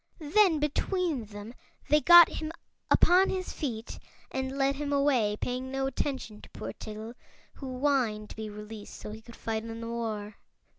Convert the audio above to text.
Then between them they got him upon his feet and led him away, paying no attention to poor Tiggle, who whined to be released so he could fight in the war.